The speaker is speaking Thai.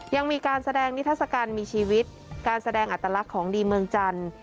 ยังมีการแสดงนิทัศกาลมีชีวิตการแสดงอัตลักษณ์ของดีเมืองจันทร์